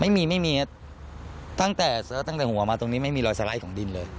ไม่มีไม่มีครับตั้งแต่หัวมาตรงนี้ไม่มีรอยสไลด์ของดินเลย